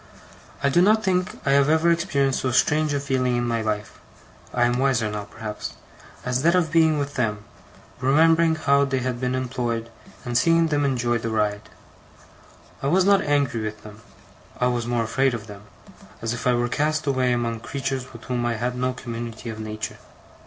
I do not think I have ever experienced so strange a feeling in my life (I am wiser now, perhaps) as that of being with them, remembering how they had been employed, and seeing them enjoy the ride. I was not angry with them; I was more afraid of them, as if I were cast away among creatures with whom I had no community of nature.